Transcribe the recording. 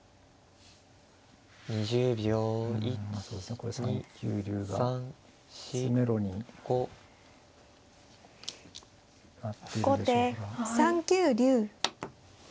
これ３九竜が詰めろになってるでしょうから。